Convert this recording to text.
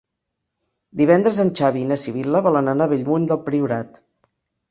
Divendres en Xavi i na Sibil·la volen anar a Bellmunt del Priorat.